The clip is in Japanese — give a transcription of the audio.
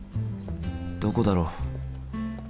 どこだろう？